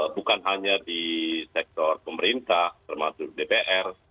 bukan hanya di sektor pemerintah termasuk dpr